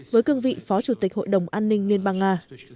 với cương vị phó chủ tịch hội đồng an ninh liên bang nga